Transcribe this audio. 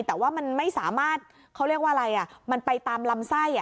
แต่ว่ามันไม่สามารถเขาเรียกว่าอะไรมันไปตามลำไส้